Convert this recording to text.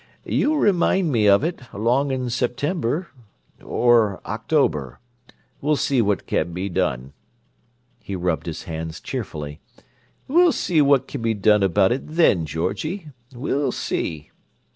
You remind me of it, along in September—or October. We'll see what can be done." He rubbed his hands cheerfully. "We'll see what can be done about it then, Georgie. We'll see."